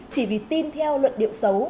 chỉ vì tin theo luận điệu xấu